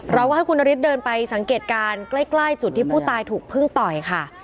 เราก็ให้คุณนฤทธิเดินไปสังเกตการณ์ใกล้จุดที่ผู้ตายถูกพึ่งต่อยค่ะ